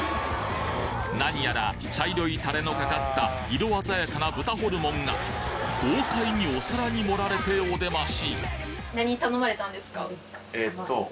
何やら茶色いタレのかかった色鮮やかな豚ホルモンが豪快にお皿に盛られてお出まし